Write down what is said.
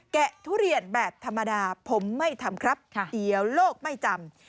ทุเรียนแบบธรรมดาผมไม่ทำครับเดี๋ยวโลกไม่จำ